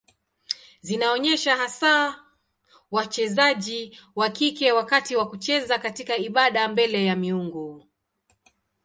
Zinaonyesha hasa wachezaji wa kike wakati wa kucheza katika ibada mbele ya miungu.